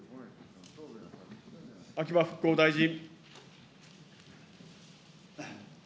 秋葉復興大臣。